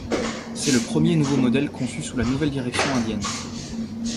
C'est le premier nouveau modèle conçu sous la nouvelle direction indienne.